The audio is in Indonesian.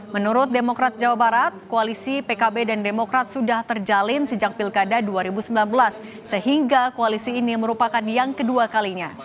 menurut demokrat jawa barat koalisi pkb dan demokrat sudah terjalin sejak pilkada dua ribu sembilan belas sehingga koalisi ini merupakan yang kedua kalinya